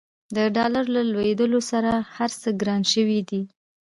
د ډالر له لوړېدولو سره هرڅه ګران شوي دي.